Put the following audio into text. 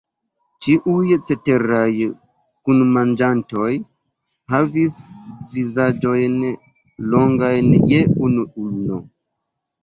Ĉiuj ceteraj kunmanĝantoj havis vizaĝojn longajn je unu ulno.